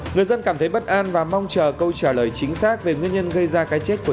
người dân cảm thấy bất an và mong chờ câu trả lời chính xác về nguyên nhân gây ra cái chết của